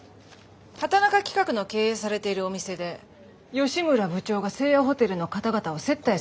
畑中企画の経営されているお店で吉村部長が西亜ホテルの方々を接待されたということですね？